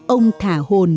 ông thả hồn